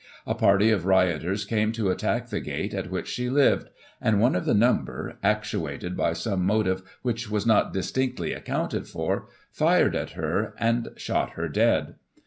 A party of rioters came to attack the gate at which she lived, and one of the number, actuated by some motive which was not distinctly accounted for, fired at her, and shot her dead.